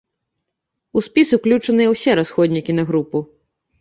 У спіс уключаныя ўсе расходнікі на групу.